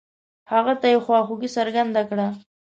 هغه ته يې خواخوږي څرګنده کړه.